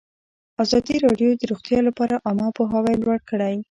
ازادي راډیو د روغتیا لپاره عامه پوهاوي لوړ کړی.